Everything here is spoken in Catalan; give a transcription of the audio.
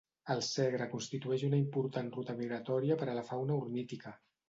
El Segre constitueix una important ruta migratòria per a la fauna ornítica.